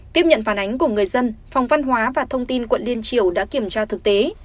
tiếp nhận phản ánh của người dân phòng văn hóa và thông tin quận liên triều đã kiểm tra thực tế